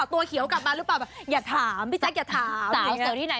แน่นอนก็แทะตัวกันไปนะ